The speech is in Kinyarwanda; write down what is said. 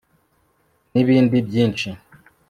nibindi byinshi